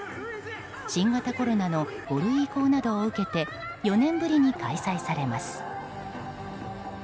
新型コロナの５類移行などを受けて４年ぶりに開催されます。